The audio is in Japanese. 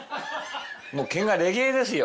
もう毛がレゲエですよ